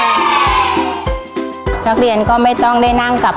และวันนี้โรงเรียนไทรรัฐวิทยา๖๐จังหวัดพิจิตรครับ